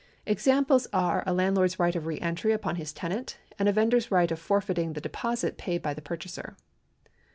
Examples are a landlord's right of re entry upon his tenant, and a vendor's right of forfeiting the deposit paid by the purchaser.